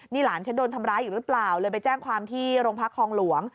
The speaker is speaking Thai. นี่หลานฉันโดนทำร้ายอีกหรือเปล่าเลยไปแจ้งความที่โรงพักคลองหลวง